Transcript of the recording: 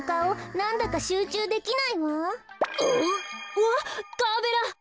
うわっガーベラ！